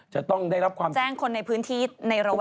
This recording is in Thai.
จะต้องได้รับความแจ้งคนในพื้นที่ในระแว